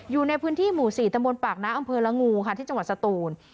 อยู่ในพื้นที่หมู่๔ตำบลปากน้ำอำเภอละงูค่ะที่จังหวัดสตูน